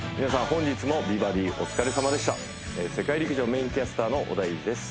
本日も美バディお疲れさまでした世界陸上メインキャスターの織田裕二です